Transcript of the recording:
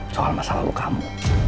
soal masalah lalu kamu